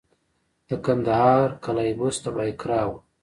د کندهار قلعه بست د بایقرا وه